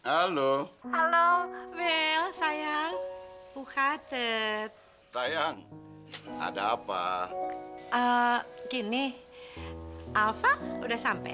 amerikasah ya tentu